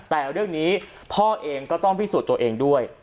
แต่เรื่องนี้พ่อเองก็ต้องพิสูจน์ตัวเองด้วย